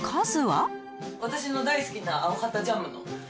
私の大好きなアヲハタジャムの。